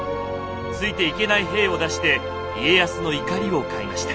ついていけない兵を出して家康の怒りを買いました。